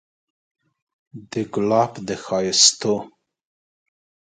د ګلاب د ښايستو